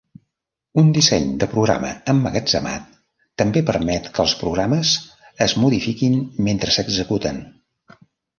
Un disseny de programa emmagatzemat també permet que els programes es modifiquin mentre s'executen.